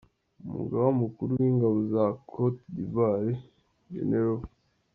Umugaba Mukuru w’Ingabo za Côte d’Ivoire, Gen.